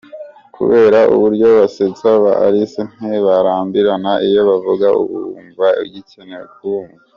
Kubera uburyo basetsa ba Alice ntibarambirana iyo bavuga uba wumva ugikneye kubumva.